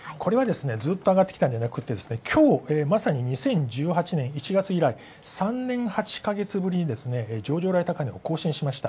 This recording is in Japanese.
ずっとあがってきたんじゃなくて、２０１８年１月以来３年８ヶ月ぶりに上場来高値を更新しました。